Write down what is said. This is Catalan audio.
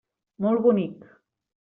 Molt bonic.